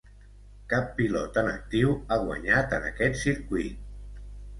Cap pilot en actiu ha guanyat en aquest circuit.